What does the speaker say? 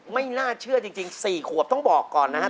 ไม่น่าเชื่อจริง๔ขวบต้องบอกก่อนนะฮะ